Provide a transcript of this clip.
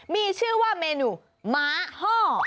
มีชื่อว่าเมนูม้าห้อ